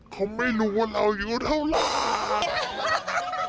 เขาไม่รู้ว่าเราอายุเท่าไหร่